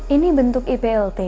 ini bentuk iplt